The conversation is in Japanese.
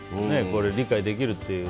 理解できるという。